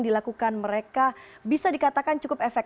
dan di dua puluh tahun